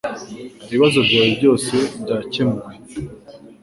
Ibibazo byawe byose byakemuwe